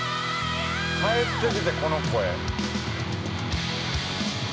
「帰ってきてこの声」